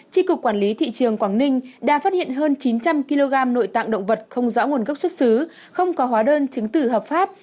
tri cục quản lý thị trường quảng ninh đã phát hiện hơn chín trăm linh kg nội tạng động vật không rõ nguồn gốc xuất xứ không có hóa đơn chứng tử hợp pháp